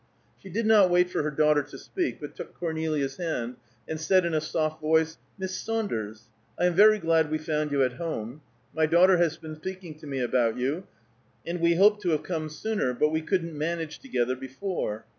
She did not wait for her daughter to speak, but took Cornelia's hand, and said in a soft voice, "Miss Saunders? I am very glad we found you at home. My daughter has been speaking to me about you, and we hoped to have come sooner, but we couldn't manage together before."